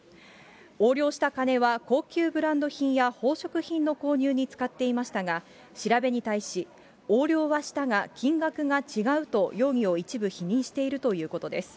横領した金は、高級ブランド品や宝飾品の購入に使っていましたが、調べに対し、横領はしたが、金額が違うと容疑を一部否認しているということです。